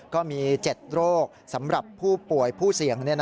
ก็มี๗โรคสำหรับผู้ป่วยผู้เสี่ยง